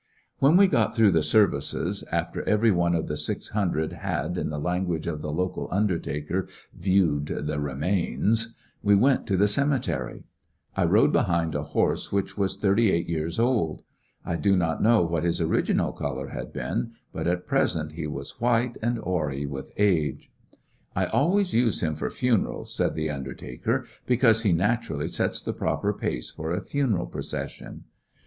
When we got through the serviceSj after every one of the six hundred had, in the language of the local undertaker, ^^ viewed the remains/' we went to the cemetery, I rode behind a horse which was thirty eight years old I do not know what his original color had been^ but at present he was white and hoary with age "I always use him for funerals," said the undertaker, "because he naturally sets the proper pace for a funeral procession."